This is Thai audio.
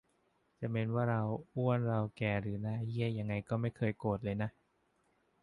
จะเม้นว่าเราอ้วนเราแก่หรือหน้าเหี้ยยังไงก็ไม่เคยโกรธเลยนะ